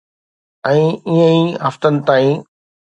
۽ ائين ئي هفتن تائين